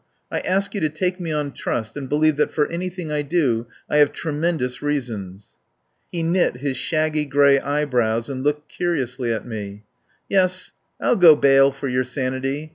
I ask you to take me on trust, and believe that for any thing I do I have tremendous reasons." He knit his shaggy grey eyebrows and looked curiously at me. "Yes, I'll go bail for your sanity.